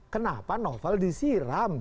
kenapa novel disiram